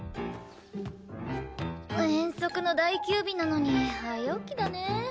遠足の代休日なのに早起きだね。